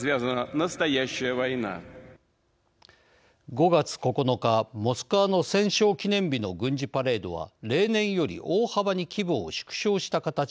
５月９日モスクワの戦勝記念日の軍事パレードは例年より大幅に規模を縮小した形で行われました。